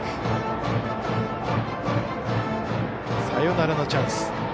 サヨナラのチャンス